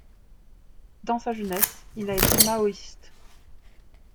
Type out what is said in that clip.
Dans sa jeunesse, il a été maoïste.